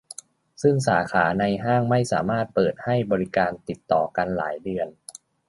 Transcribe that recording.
ซึ่งสาขาในห้างไม่สามารถเปิดให้บริการติดต่อกันหลายเดือน